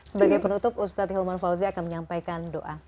sebagai penutup ustadz hilman fauzi akan menyampaikan doa